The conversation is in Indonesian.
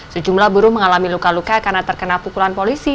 sejumlah buruh mengalami luka luka karena terkena pukulan polisi